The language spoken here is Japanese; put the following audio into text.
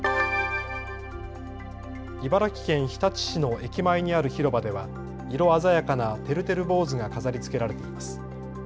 茨城県日立市の駅前にある広場では色鮮やかなてるてる坊主が飾りつけられています。